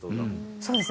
そうですね。